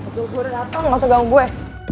gue udah dateng gak usah ganggu gue